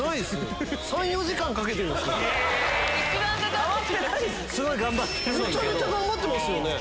え⁉めちゃめちゃ頑張ってますよね。